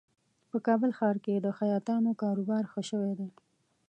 په کابل ښار کې د خیاطانو کاروبار ښه شوی دی